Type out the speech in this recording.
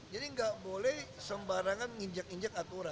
jadi nggak boleh sembarangan nginjek injek aturan di jakarta